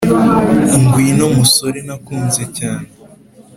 Ngwino, musore nakunze cyane